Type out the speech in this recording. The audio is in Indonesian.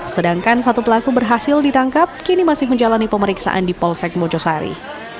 sedangkan satu pelaku berhasil ditangkap kini masih menjalani pemeriksaan di polsek mojosari